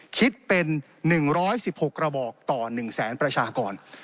คิดเป็น๑๑๖กระบอกต่อ๑แสนประชากร